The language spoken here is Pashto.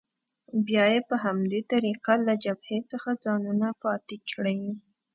بیا یې په همدې طریقه له جبهې څخه ځانونه پاتې کړي.